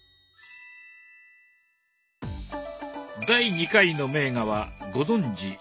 第２回の名画はご存じ